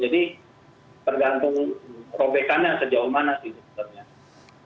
jadi tergantung robekannya sejauh mana sih